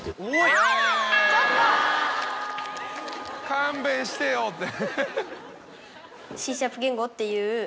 勘弁してよって。